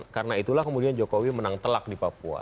karena itulah kemudian jokowi menang telak di papua